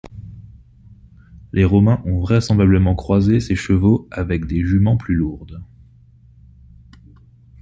Les Romains ont vraisemblablement croisé ces chevaux avec des juments plus lourdes.